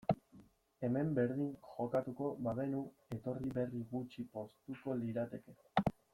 Hemen berdin jokatuko bagenu, etorri berri gutxi poztuko lirateke.